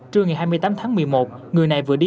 trưa ngày hai mươi tám tháng một mươi một người này vừa đi